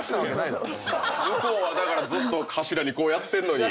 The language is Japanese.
向こうはだからずっと柱にこうやってんのに。